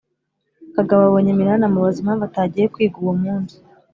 Kagabo abonye Minani amubaza impamvu atagiye kwiga uwo munsi